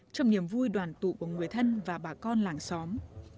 trong niềm vui đoàn tụ của người thân và bà con làng xóm